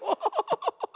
ハッハハ。